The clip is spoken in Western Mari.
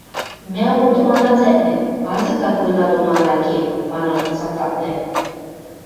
«Мӓ утым ана цӓкнӹ, анзыкат война доно ана ке», — маныныт салтаквлӓ.